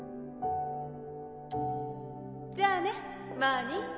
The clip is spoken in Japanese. じゃあねマーニー。